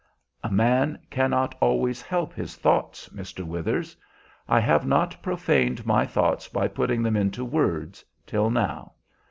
"A man cannot always help his thoughts, Mr. Withers. I have not profaned my thoughts by putting them into words, till now.